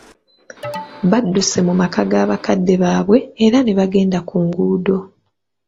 Badduse mu maka ga bakadde baabwe, era ne bagenda ku nguudo.